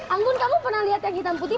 anggun kamu pernah lihat yang hitam putih